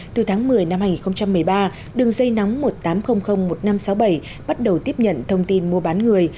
từ tháng một mươi năm hai nghìn một mươi ba đường dây nóng một tám không không một năm sáu bảy bắt đầu tiếp nhận thông tin mua bán người